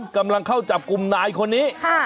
กำลังเข้าจับกลุ่มนายคนนี้